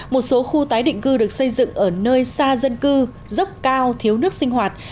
một số khu tái định cư được xây dựng ở nơi xa dân cư dốc cao thiếu nước sinh hoạt